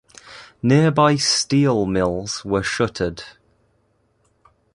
Nearby steel mills were shuttered.